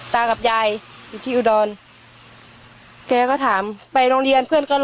ตากับยายอยู่ที่อุดรแกก็ถามไปโรงเรียนเพื่อนก็รอ